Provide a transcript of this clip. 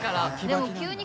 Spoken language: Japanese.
でも急に。